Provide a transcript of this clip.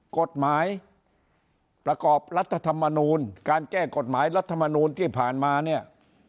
กฎหมายประกอบรัฐธรรมนูลการแก้กฎหมายรัฐมนูลที่ผ่านมาเนี่ย